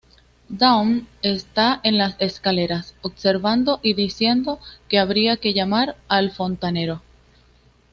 Dawn está en las escaleras, observando y diciendo que habría que llamar al fontanero.